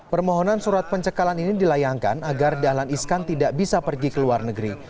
permohonan surat pencekalan ini dilayangkan agar dahlan iskan tidak bisa pergi ke luar negeri